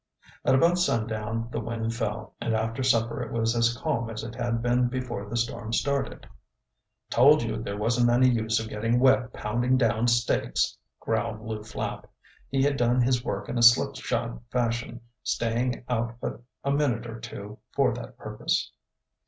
At about sundown the wind fell and after supper it was as calm as it had been before the storm started. "Told you there wasn't any use of getting wet pounding down stakes," growled Lew Flapp. He had done his work in a slip shod fashion, staying out but a minute or two for that purpose.